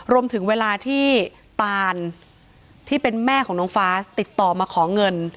เวลาที่ตานที่เป็นแม่ของน้องฟ้าติดต่อมาขอเงิน